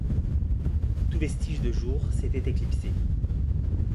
Tout vestige de jour s’était éclipsé.